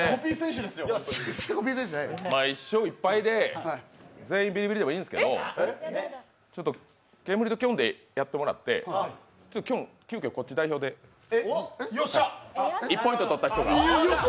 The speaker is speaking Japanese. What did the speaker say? １勝１敗で全員ビリビリでもいいんですけどケムリときょんでやってもらってきょん、急きょこっち代表で１ポイント取った人が。